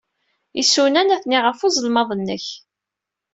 Isunan atni ɣef uzelmaḍ-nnek.